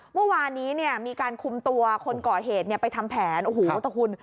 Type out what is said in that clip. เมื่อวานนี้เนี่ยมีการคุมตัวคนก่อเหตุไปทำแผนโอ้โหแต่คุณ